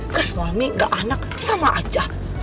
kesuami gak anak sama aja